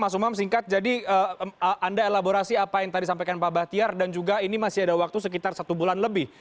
mas umam singkat jadi anda elaborasi apa yang tadi sampaikan pak bahtiar dan juga ini masih ada waktu sekitar satu bulan lebih